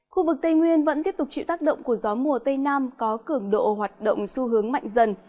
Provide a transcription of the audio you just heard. khu vực tây nguyên vẫn tiếp tục chịu tác động của gió mùa tây nam có cường độ hoạt động xu hướng mạnh dần